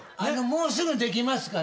もうすぐできますから。